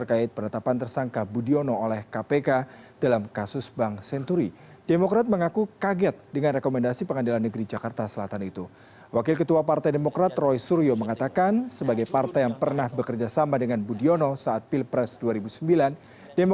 keputusan tersebut menjadi wonang hakim yang menyidangkan perkara dengan berbagai pertimbangan hukum